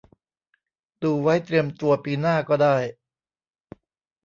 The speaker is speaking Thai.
ดูไว้เตรียมตัวปีหน้าก็ได้